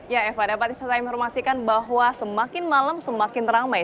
ya eva dapat disatukan bahwa semakin malam semakin ramai